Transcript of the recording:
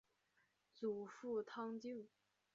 祖父汤敬。